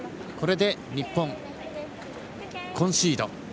これで日本、コンシード。